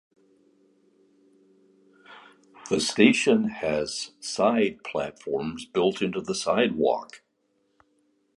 The station has side platforms built into the sidewalk.